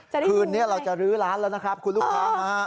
คืนนี้เราจะลื้อร้านแล้วนะครับคุณลูกค้านะฮะ